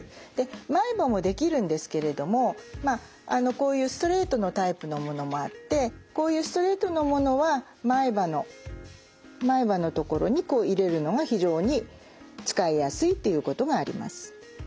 前歯もできるんですけれどもこういうストレートのタイプのものもあってこういうストレートのものは前歯のところに入れるのが非常に使いやすいっていうことがあります。